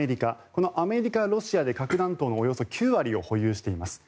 このアメリカ、ロシアで核弾頭のおよそ９割を保有しています。